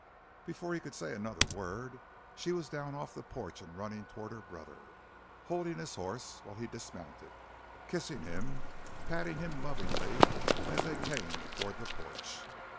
Before he could say another word she was down off the porch and running toward her brother, holding his horse while he dismounted, kissing him, patting him lovingly as they came toward the porch.